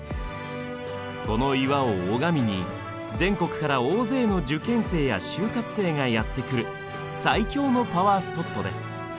この岩を拝みに全国から大勢の受験生や就活生がやって来る最強のパワースポットです。